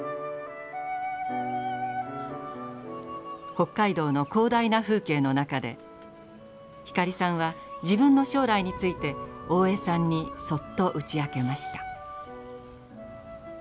北海道の広大な風景の中で光さんは自分の将来について大江さんにそっと打ち明けました。